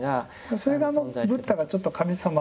それがブッダがちょっと神様。